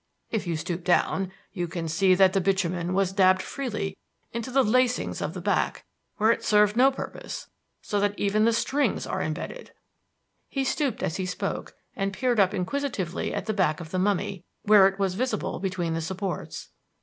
If you stoop down, you can see that the bitumen was daubed freely into the lacings of the back, where it served no purpose, so that even the strings are embedded." He stooped as he spoke, and peered up inquisitively at the back of the mummy, where it was visible between the supports.